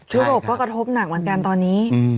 ยุโรปก็กระทบหนักเหมือนกันตอนนี้